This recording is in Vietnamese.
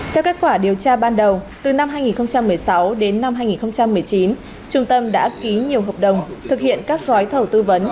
theo kết quả điều tra ban đầu từ năm hai nghìn một mươi sáu đến năm hai nghìn một mươi chín trung tâm đã ký nhiều hợp đồng thực hiện các gói thầu tư vấn